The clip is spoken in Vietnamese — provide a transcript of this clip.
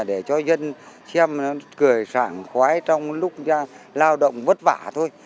để cho dân xem cười sảng khoái trong lúc lao động vất vả thôi